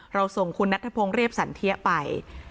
ส่งคุณนัทพงศ์เรียบสันเทียไป